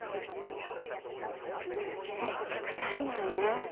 辛気くさいのよね